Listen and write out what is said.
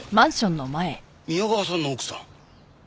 宮川さんの奥さん？